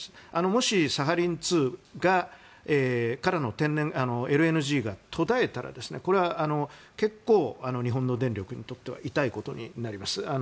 もし、サハリン２が止まってＬＮＧが途絶えたら結構、日本の電力にとっては痛いことになります。